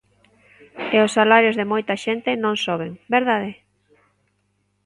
E os salarios de moita xente non soben, ¿verdade?